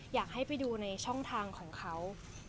อยากให้ไปดูในช่องทางของเขา